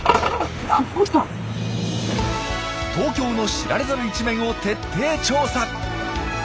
東京の知られざる一面を徹底調査！